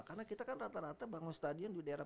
karena kita kan rata rata bangun stadion di daerah